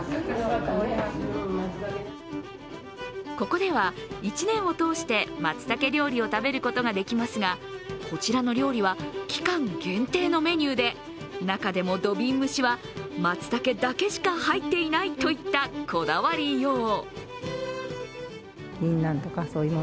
ここでは１年を通して松茸料理を食べることができますがこちらの料理は期間限定のメニューで、中でも土瓶蒸しは松茸だけしか入っていないといった、こだわりよう。